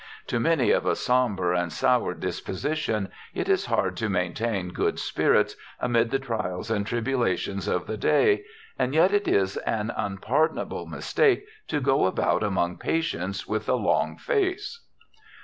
To many of a somber and sour disposition it is hard to maintain good spirits amid the trials and tribulations of the day, and yet it is an unpardonable mistake to go about among patients with a long face.